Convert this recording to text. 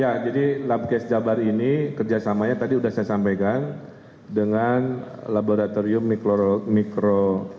ya jadi labkes jabar ini kerjasamanya tadi sudah saya sampaikan dengan laboratorium mikro